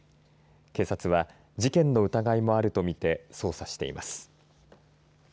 警察は事件の疑いもあるとみて捜査しています。